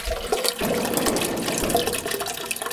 თეთრ ნახევარში გვხვდება ვატიკანის გერბი.